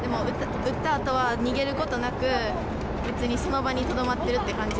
撃ったあとは逃げることなく別にその場にとどまっているという感じ。